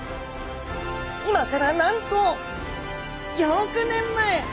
今からなんと５億年前！